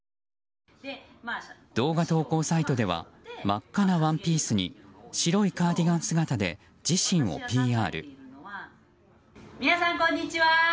動画投稿サイトでは真っ赤なワンピースに白いカーディガン姿で自身をＰＲ。